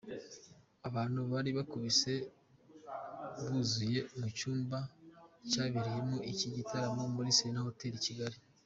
Abantu bari bakubise buzuye mu cyumba cyabereyemo iki gitaramo muri Serena Hotel Kigali.